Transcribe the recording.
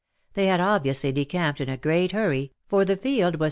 They had obviously de camped in a great hurry, for the field was